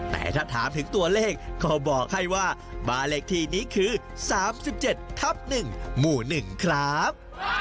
แต่ถ้าถามถึงตัวเลขก็บอกให้ว่าบ้านเลขที่นี้คือ๓๗ทับ๑หมู่๑ครับ